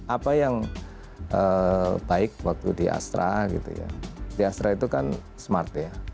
apa yang baik waktu di astra gitu ya di astra itu kan smart ya